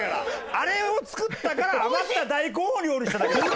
あれを作ったから余った大根を料理しただけです。